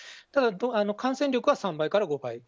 ただ、感染力は３倍から５倍。